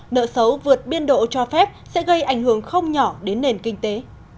nợ xấu vượt biên độ cho phép sẽ gây ảnh hưởng không nhỏ đến nền kinh tế